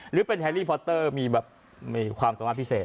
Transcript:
หรือเป็นแฮนลี่ปอสเตอร์มีความสามารถพิเศษ